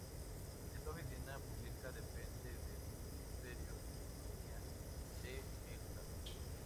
Esta oficina pública depende del Ministerio de Economía de El Salvador.